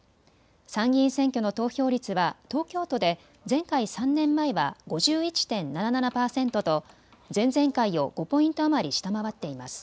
参議院選挙の投票率は東京都で前回３年前は５１．７７％と前々回を５ポイント余り下回っています。